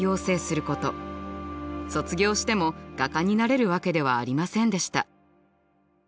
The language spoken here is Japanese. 卒業しても画家になれるわけではありませんでした。